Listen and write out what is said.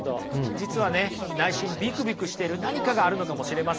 実はね内心ビクビクしてる何かがあるのかもしれませんよね。